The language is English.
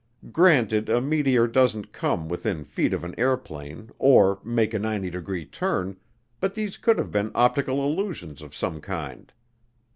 Granted a meteor doesn't come within feet of an airplane or make a 90 degree turn, but these could have been optical illusions of some kind.